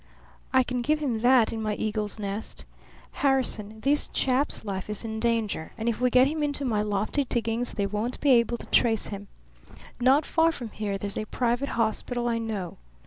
"I can give him that in my eagle's nest. Harrison, this chap's life is in danger; and if we get him into my lofty diggings they won't be able to trace him. Not far from here there's a private hospital I know.